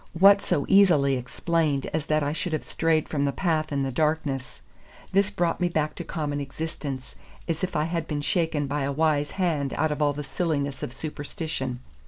What so easily explained as that I should have strayed from the path in the darkness? This brought me back to common existence, as if I had been shaken by a wise hand out of all the silliness of superstition.